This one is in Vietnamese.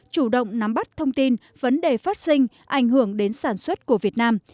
chủ động nắm bắt thông tin vấn đề phát sinh ảnh hưởng đến sản xuất của việt nam